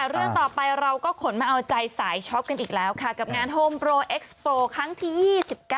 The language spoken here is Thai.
เรื่องต่อไปเราก็ขนมาเอาใจสายช็อปกันอีกแล้วค่ะกับงานโฮมโปรเอ็กซ์โปรครั้งที่๒๙